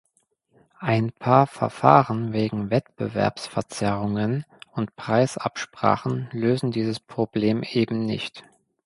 Ein paar Verfahren wegen Wettbewerbsverzerrungen und Preisabsprachen lösen dieses Problem eben nicht.